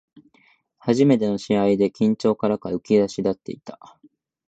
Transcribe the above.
初めての試合で緊張からか浮き足立っていた